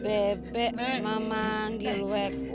belum berhenti senang wig pergi